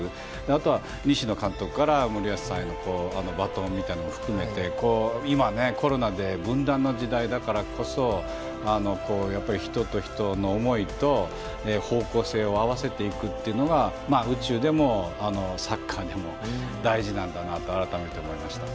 あとは西野監督から森保さんへのバトンを含めて今、コロナで分断の時代だからこそ人と人の思いと方向性を合わせていくのが宇宙でもサッカーでも大事なんだなと改めて思いました。